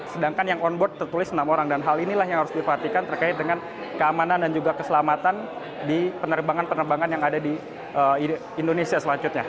sedangkan yang on board tertulis enam orang dan hal inilah yang harus diperhatikan terkait dengan keamanan dan juga keselamatan di penerbangan penerbangan yang ada di indonesia selanjutnya